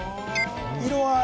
色合い！